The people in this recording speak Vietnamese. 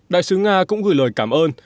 đại sứ nga cũng gửi lời cảm ơn